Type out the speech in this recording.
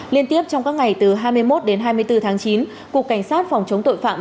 liên tiếp trong các ngày từ hai mươi một đến hai mươi bốn tháng chín cục cảnh sát phòng chống tội phạm